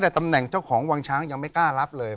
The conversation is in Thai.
แต่ตำแหน่งเจ้าของวังช้างยังไม่กล้ารับเลย